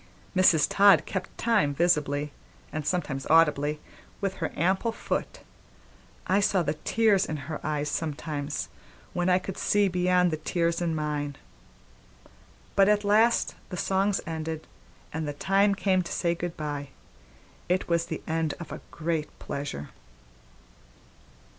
Mrs. Todd kept time visibly, and sometimes audibly, with her ample foot. I saw the tears in her eyes sometimes, when I could see beyond the tears in mine. But at last the songs ended and the time came to say good by; it was the end of a great pleasure.